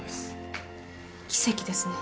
奇跡ですね。